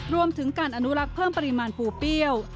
รวมถึงการอนุลักษ์เพิ่มปริมาณปูเปรี้ยว